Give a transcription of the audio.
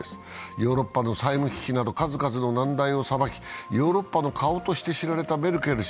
ヨーロッパの債務危機など数々の難題をさばき、ヨーロッパの顔として知られたメルケル氏。